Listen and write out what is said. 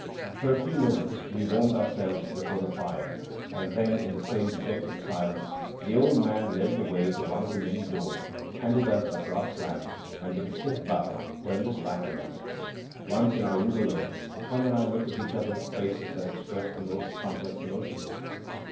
For a few moments we warmed ourselves before the fire; and then, in the same dejected silence, the old man led the way to one of the many doors, handed us a brass lamp, and with a stiff bow turned his back on us. Once in our room alone, Tom and I looked at each other with faces that expressed the most complex emotions.